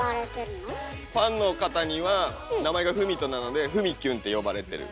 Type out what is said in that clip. ファンの方には名前が郁人なので「ふみきゅん」って呼ばれてる。